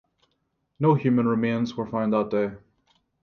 No human remains were found that day.